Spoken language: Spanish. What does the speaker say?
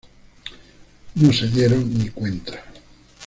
No se dieron ni cuenta".